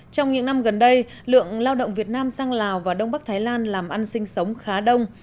trong những năm gần đây lượng lao động việt nam sang lào và đông bắc thái lan làm ăn sinh sống khá đông